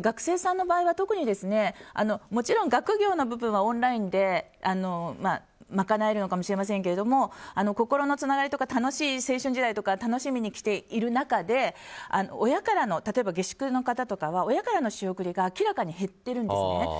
学生さんの場合は特にもちろん学業の部分はオンラインで賄えるかもしれませんけど心のつながりとか楽しい青春時代とかを楽しみに来ている中で例えば下宿の方とかは親からの仕送りが明らかに減ってるんですね。